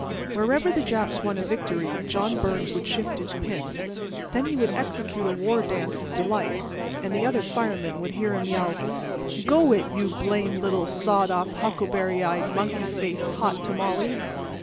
Wherever the Japs won a victory John Byrnes would shift his pins, and then he would execute a war dance of delight, and the other firemen would hear him yell: "Go it, you blamed little, sawed off, huckleberry eyed, monkey faced hot tamales!